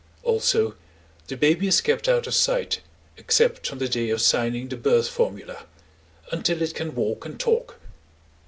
Also the baby is kept out of sight, except on the day of signing the birth formula, until it can walk and talk.